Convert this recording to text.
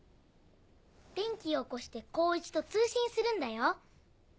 電気をおこして耕一と通信するんだよ。